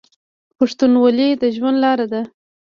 پښتونولي د ژوند لاره ده.